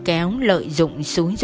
cả miền xuôi